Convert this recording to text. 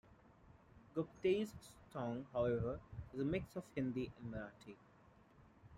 Gupte's song however is a mix of Hindi and Marathi.